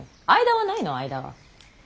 間はないの間は。